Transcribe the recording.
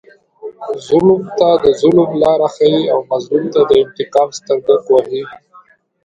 ظلم ته د ظلم لاره ښیي او مظلوم ته د انتقام سترګک وهي.